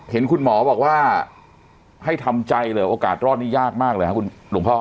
เห็นคุณหมอบอกว่าให้ทำใจเลยโอกาสรอดนี้ยากมากเลยครับคุณหลวงพ่อ